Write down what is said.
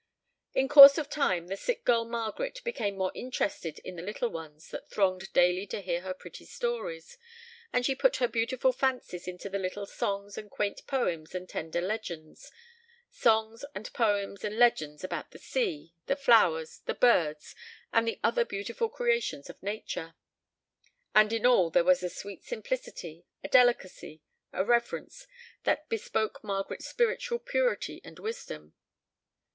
In course of time the sick girl Margaret became more interested in the little ones that thronged daily to hear her pretty stories, and she put her beautiful fancies into the little songs and quaint poems and tender legends, songs and poems and legends about the sea, the flowers, the birds, and the other beautiful creations of Nature; and in all there was a sweet simplicity, a delicacy, a reverence, that bespoke Margaret's spiritual purity and wisdom.